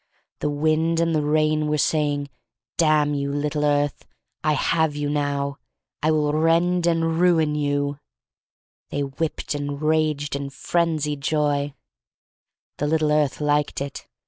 The wind and the rain were saying, "Damn you, little earth, I have you now, — I will rend and ruin you." They whipped and raged in frenzied joy. 232 THE STORY OF MARY MAC LANE The little earth liked it.